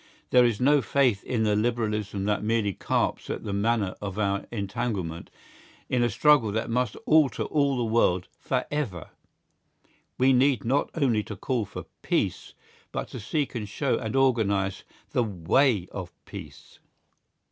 There is no faith in the Liberalism that merely carps at the manner of our entanglement in a struggle that must alter all the world for ever. We need not only to call for peace, but to seek and show and organise the way of peace....